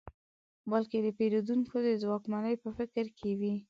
بلکې د پېرودونکو د ځواکمنۍ په فکر کې وي.